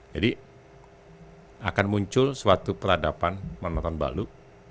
jadi akan muncul suatu peradaban menonton balu